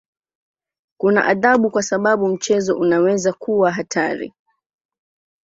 Kuna adhabu kwa sababu mchezo unaweza kuwa hatari.